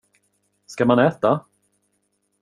Ska man äta?